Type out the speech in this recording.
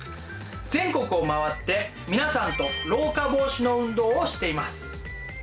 全国を回って皆さんと老化防止の運動をしています。